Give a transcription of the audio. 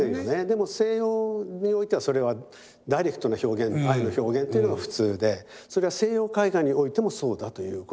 でも西洋においてはそれはダイレクトな表現愛の表現っていうのが普通でそれは西洋絵画においてもそうだということになりますよね。